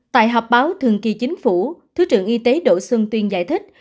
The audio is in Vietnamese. tại họp báo thường kỳ chính phủ thứ trưởng y tế đỗ xuân tuyên giải thích